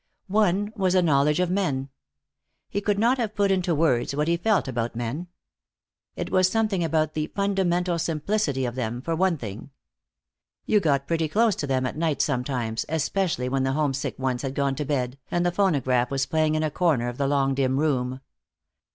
One was a knowledge of men. He could not have put into words what he felt about men. It was something about the fundamental simplicity of them, for one thing. You got pretty close to them at night sometimes, especially when the homesick ones had gone to bed, and the phonograph was playing in a corner of the long, dim room.